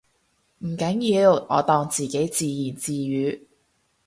唔緊要，我當自己自言自語